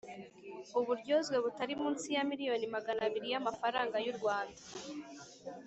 uburyozwe butari munsi ya: miliyoni magana abiri y’amafaranga y’u Rwanda